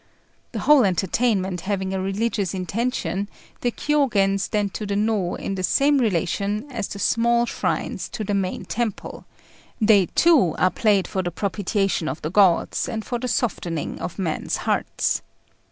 The whole entertainment having a religious intention, the Kiyôgen stand to the Nô in the same relation as the small shrines to the main temple; they, too, are played for the propitiation of the gods, and for the softening of men's hearts.